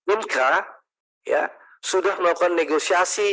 inka sudah melakukan negosiasi